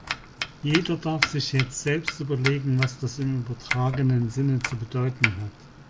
Jeder darf sich jetzt selbst überlegen, was das im übertragenen Sinne zu bedeuten hat.